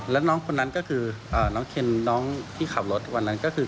แล้วน้องคนนั้นก็คือน้องเคนน้องที่ขับรถวันนั้นก็คือ